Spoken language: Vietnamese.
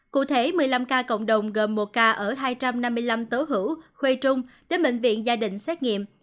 cụ thể một mươi năm ca cộng đồng gồm một ca ở hai trăm năm mươi năm tố hữu khuê trung đến bệnh viện gia đình xét nghiệm